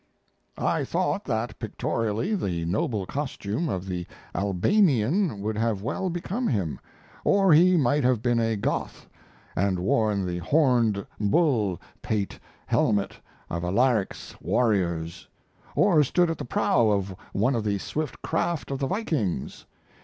I thought that, pictorially, the noble costume of the Albanian would have well become him. Or he might have been a Goth, and worn the horned bull pate helmet of Alaric's warriors; or stood at the prow of one of the swift craft of the Vikings.